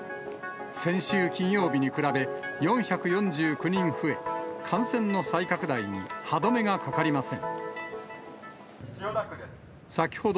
先週金曜日に比べ、４４９人増え、感染の再拡大に歯止めがかかりません。